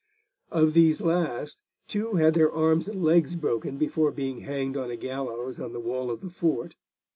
Of these last, two had their arms and legs broken before being hanged on a gallows on the wall of the fort.